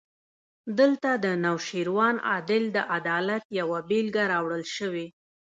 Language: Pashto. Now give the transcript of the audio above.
دلته د نوشیروان عادل د عدالت یوه بېلګه راوړل شوې.